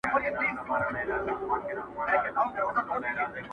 پر دوکان بېهوښه ناست لکه لرګی وو!.